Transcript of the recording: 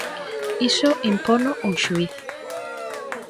Iso impono un xuíz.